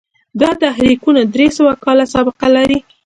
دا تحریکونه درې سوه کاله سابقه لري.